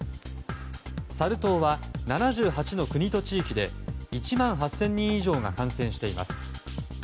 サル痘は７８の国と地域で１万８０００人以上が感染しています。